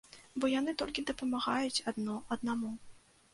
Бо яны толькі дапамагаюць адно аднаму.